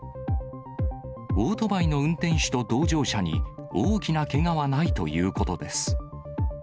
オートバイの運転手と同乗者に大きなけがはないということです。